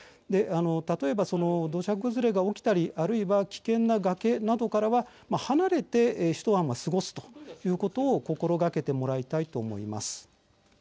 例えば土砂崩れが起きたりあるいは危険な崖などからは離れて一晩は過ごすということを心がけてもらいたいと思います。